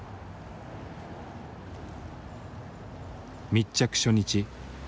密着初日。